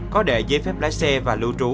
có đệ giấy phép lá xe và lưu trú